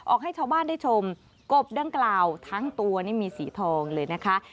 ให้ชาวบ้านได้ชมกบดังกล่าวทั้งตัวนี่มีสีทองเลยนะคะ